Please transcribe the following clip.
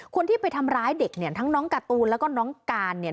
คนที่ไปทำร้ายเด็กเนี่ยทั้งน้องการ์ตูนแล้วก็น้องการเนี่ย